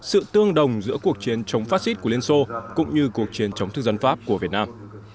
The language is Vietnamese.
sự tương đồng giữa cuộc chiến chống fascist của liên xô cũng như cuộc chiến chống thức dân pháp của việt nam